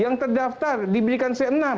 yang sudah terdaftar tapi tidak diberikan c enam